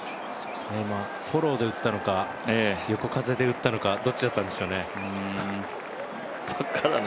今、フォローで打ったのか横風で打ったのかどっちだったんでしょうね。